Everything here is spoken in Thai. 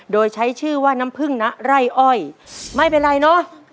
โดยใช้ชื่อว่าน้ำพึ่งนะไร่อ้อยไม่เป็นไรเนอะ